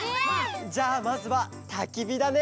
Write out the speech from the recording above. じゃあまずはたきびだね。